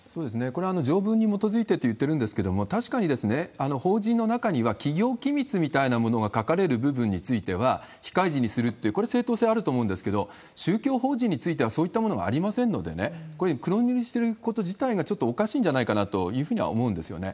これは条文に基いてっていってるんですけども、確かに、法人の中には、企業機密みたいなものが書かれる部分については、非開示にするっていう、これ正当性あると思うんですけれども、宗教法人についてはそういったものがありませんのでね、これ、黒塗りにすること自体がちょっとおかしいんじゃないかなというふうには思うんですよね。